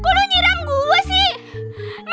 kok lo nyiram gue sih